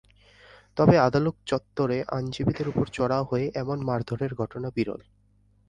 তবে আদালত চত্বরে আইনজীবীদের ওপর চড়াও হয়ে এমন মারধরের ঘটনা বিরল।